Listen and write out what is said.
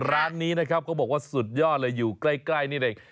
ร้านนี้นะครับเขาบอกว่าสุดยอดเลยอยู่ใกล้นี่เอง